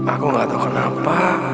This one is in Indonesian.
aku gak tau kenapa